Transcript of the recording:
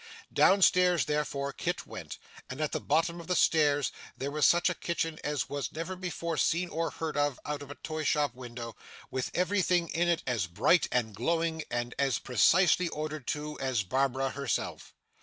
Down stairs, therefore, Kit went; and at the bottom of the stairs there was such a kitchen as was never before seen or heard of out of a toy shop window, with everything in it as bright and glowing, and as precisely ordered too, as Barbara herself.